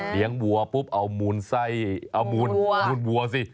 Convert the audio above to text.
เลี้ยงวัวปุ๊บเอามูลไส้เอามูลวัวสิ